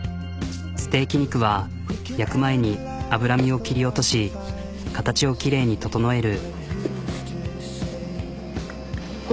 ステーキ肉は焼く前に脂身を切り落とし形をきれいに整える。